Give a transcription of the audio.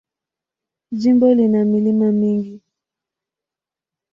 Jimbo lina milima mingi.